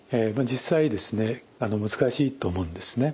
実際難しいと思うんですね。